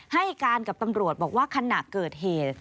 ให้การกับตำรวจบอกว่าขณะเกิดเหตุ